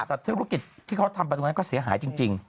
ถ้าธุรกิจที่เขาทำประมาณนั้นก็เสียหายจริง